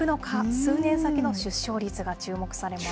数年先の出生率が注目されます。